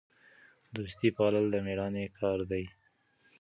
دوستي پالل د میړانې کار دی.